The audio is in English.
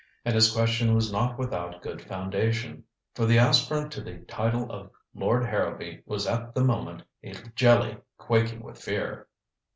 And his question was not without good foundation. For the aspirant to the title of Lord Harrowby was at the moment a jelly quaking with fear.